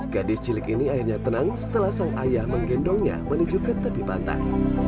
gadis cilik ini akhirnya tenang setelah sang ayah menggendongnya menuju ke tepi pantai